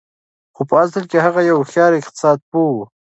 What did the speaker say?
خو په اصل کې هغه يو هوښيار اقتصاد پوه و.